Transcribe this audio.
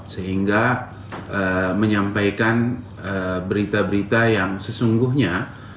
sehingga menyampaikan berita berita yang sesungguhnya